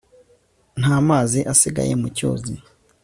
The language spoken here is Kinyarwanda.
Nta mazi asigaye mu cyuzi